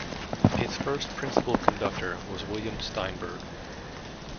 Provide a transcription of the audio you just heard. Its first principal conductor was William Steinberg.